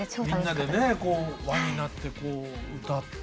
みんなで輪になってこう歌って。